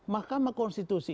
mahkamah konstitusi itu